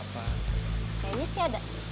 kayaknya sih ada